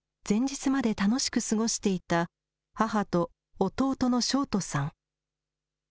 前日まで楽しく過ごしていた母と弟の翔人さん。